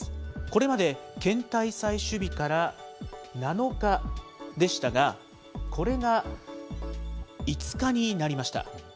これまで検体採取日から７日でしたが、これが５日になりました。